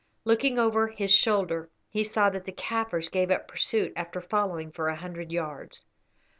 Looking over his shoulder he saw that the Kaffirs gave up pursuit after following for a hundred yards.